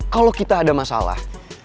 kalau kita ada masalah